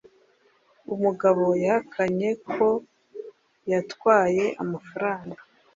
Umugabo yahakanye ko yatwaye amafaranga